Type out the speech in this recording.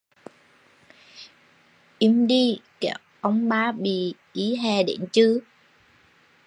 Im đi kẻo ông ba bị i hè đến chừ